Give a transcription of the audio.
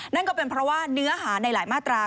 นั่นก็เป็นเพราะว่าเนื้อหาในหลายมาตรา